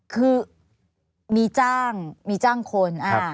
คือมีจ้างมีจ้างคน